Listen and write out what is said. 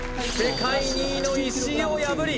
世界２位の石井を破り